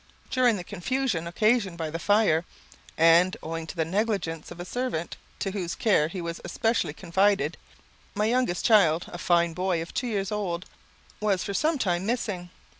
During the confusion occasioned by the fire, and, owing to the negligence of a servant to whose care he was especially confided, my youngest child, a fine boy of two years old, was for some time missing.